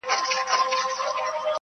• کلي چوپتيا کي ژوند کوي..